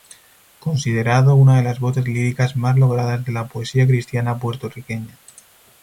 Considerado una de las voces líricas más logradas de la poesía cristiana puertorriqueña.